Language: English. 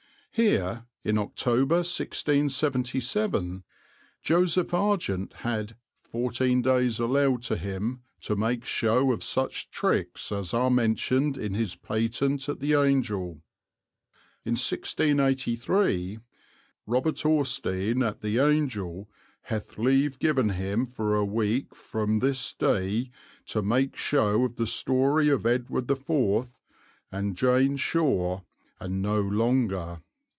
Here, in October, 1677, Joseph Argent had "fourteen days allowed to him to make show of such tricks as are mentioned in his patent at the 'Angel.'" In 1683 "Robert Austine at ye Angel hath leave given him for a week from ys Daie to make show of the storie of Edward the 4th and Iane Shore, and noe longer."